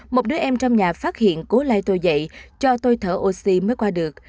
một đứa em trong nhà phát hiện cố lai tôi dậy cho tôi thở oxy mới qua được